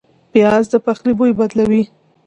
پیاز د پخلي بوی بدلوي